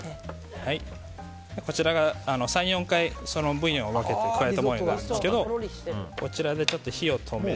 こちらが３４回ブイヨンを分けて加えたものになるんですがこちらで火を止めて。